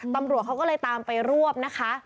ตำรวจเขาก็เลยตามไปรวบนะคะ